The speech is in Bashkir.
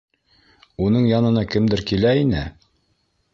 Уның янына кемдәр килә ине?